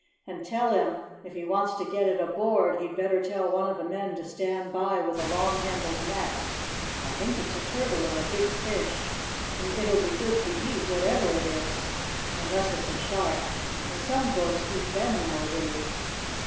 "And tell him, if he wants to get it aboard he'd better tell one of the men to stand by with a long handled net. I think it's a turtle or a big fish, and it'll be good to eat whatever it is unless it's a shark, and some folks eat them nowadays."